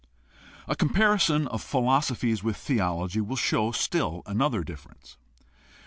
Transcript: A comparison of philosophies with theology will show still another difference.